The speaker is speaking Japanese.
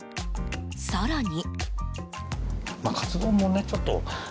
更に。